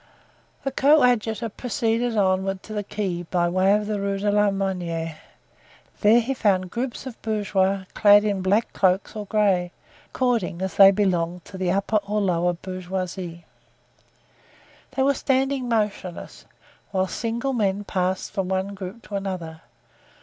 The coadjutor proceeded onward to the quay by way of the Rue de la Monnaie; there he found groups of bourgeois clad in black cloaks or gray, according as they belonged to the upper or lower bourgeoisie. They were standing motionless, while single men passed from one group to another.